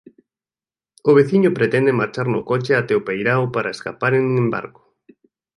O veciño pretende marchar no coche até o peirao para escaparen en barco.